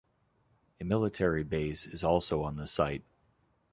A military base is also on the site.